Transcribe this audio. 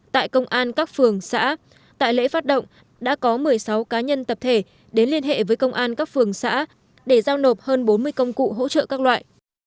tại công an các phường xã tại lễ phát động đã có một mươi sáu cá nhân tập thể đến liên hệ với công an các phường xã để giao nộp hơn bốn mươi công cụ hỗ trợ các loại